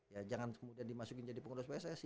ya jangan kemudian dimasukin jadi pengurus pssi